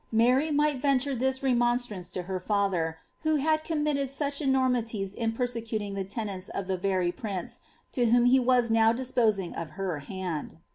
Mary might venture this remonstrance lo her father, who had committed such enormities in persecuting the tenets of the very prince, to whom he was now disposing of her hand.